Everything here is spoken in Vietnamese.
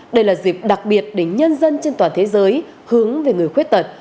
đây là dịp đặc biệt để nhân dân trên toàn thế giới hướng về người khuyết tật